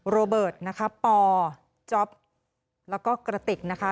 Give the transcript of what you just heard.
โรเบิร์ตนะคะปอจ๊อปแล้วก็กระติกนะคะ